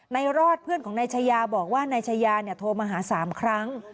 รอดเพื่อนของนายชายาบอกว่านายชายาโทรมาหา๓ครั้ง